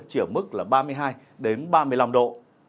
chỉ ở mức là ba mươi hai ba mươi năm độ